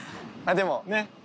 まあでも。